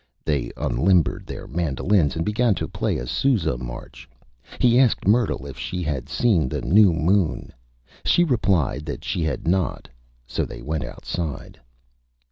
They unlimbered their Mandolins and began to play a Sousa March. He asked Myrtle if she had seen the New Moon. She replied that she had not, so they went Outside.